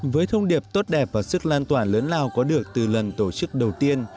với thông điệp tốt đẹp và sức lan tỏa lớn lao có được từ lần tổ chức đầu tiên